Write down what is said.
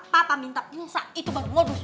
papa minta pilsa itu baru modus